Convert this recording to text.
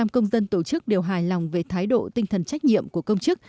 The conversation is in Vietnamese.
một trăm linh công dân tổ chức đều hài lòng về thái độ tinh thần trách nhiệm của công chức